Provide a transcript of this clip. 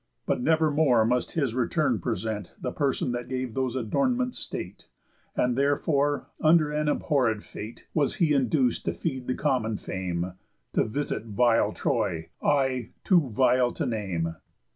But never more must his return present The person that gave those adornments state; And therefore, under an abhorréd fate, Was he induc'd to feed the common fame, To visit vile Troy, ay too vile to name."